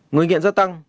người nghiện gia tăng